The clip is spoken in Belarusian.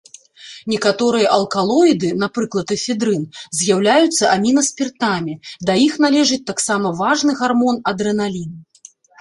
Некаторыя алкалоіды, напрыклад эфедрын, з'яўляюцца амінаспіртамі, да іх належыць таксама важны гармон адрэналін.